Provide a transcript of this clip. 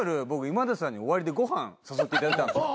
今田さんに終わりでご飯誘っていただいたんすよ。